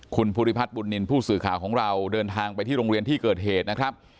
คุณผู้สื่อข่าวของเราเดินทางไปที่โรงเรียนที่เกิดเหตุนะครับ